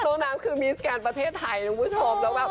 ตรงนั้นคือมีสแกงประเทศไทย